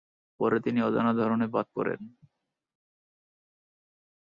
পরে তিনি অজানা কারণে বাদ পড়েন।